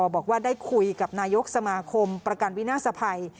บอกว่าได้คุยกับนายกสมาคมประกันวินาศภัย